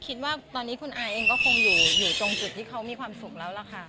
คิดว่าตอนนี้คุณอายเองก็คงอยู่ตรงจุดที่เขามีความสุขแล้วล่ะค่ะ